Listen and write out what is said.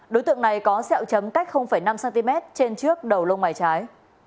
đối tượng này có xẹo chấm cách năm cm trên trước đầu lông mái trái